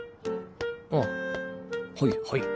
あはいはい。